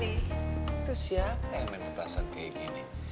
itu siapa yang main petasan kayak gini